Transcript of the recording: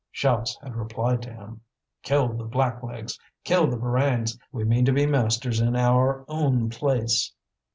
Shouts had replied to him: "Kill the blacklegs! Kill the Borains! We mean to be masters in our own place!"